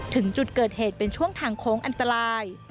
ถึงจุดเกิดเหตุเป็นช่วงทางโค้งอันตราย